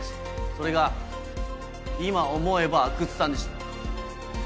それが今思えば阿久津さんでした。